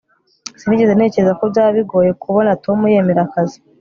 sinigeze ntekereza ko byaba bigoye kubona tom yemera akazi